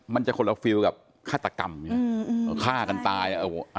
มันจะคนละฟิลด์กับฆาตกรรมอืมอืมฆ่ากันตายอ่ะ